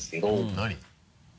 何？